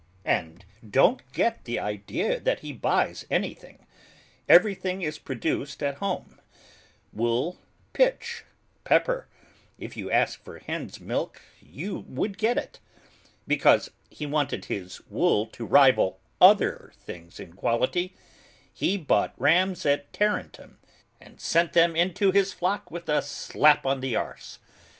"And don't you get the idea that he buys anything; everything is produced at home, wool, pitch, pepper, if you asked for hen's milk you would get it. Because he wanted his wool to rival other things in quality, he bought rams at Tarentum and sent 'em into his flocks with a slap on the arse.